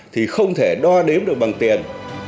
thì không thể đo đếm được bằng tiền